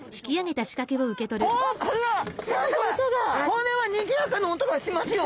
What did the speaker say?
これはにぎやかな音がしますよ！